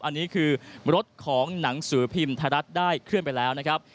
อันนี้คือรถของหนังสือพิมพ์ไทยรัฐได้เคลื่อนไปแล้วนะครับ